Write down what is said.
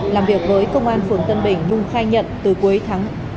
làm việc với công an phường tân bình nhung khai nhận từ cuối tháng